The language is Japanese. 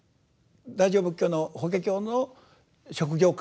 大乗仏教の法華経の職業観